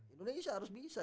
indonesia harus bisa